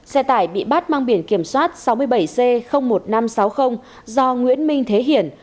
xe tải bị bắt mang biển kiểm soát sáu mươi bảy c một nghìn năm trăm sáu mươi do nguyễn minh thế hiển